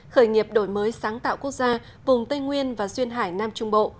khởi nghiệp đổi mới sáng tạo quốc gia vùng tây nguyên và duyên hải nam trung bộ